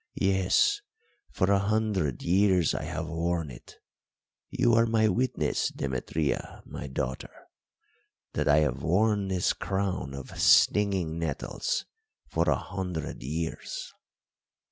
Yes, for a hundred years I have worn it you are my witness, Demetria, my daughter, that I have worn this crown of stinging nettles for a hundred years."